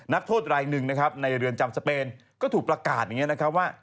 นักโทษราย๑ในเรือนจำสเปนก็ถูกประกาศว่า